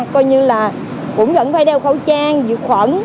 coi như là cũng vẫn phải đeo khẩu trang dược khuẩn